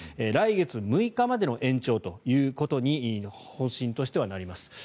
来月６日までの延長ということに方針としてはなります。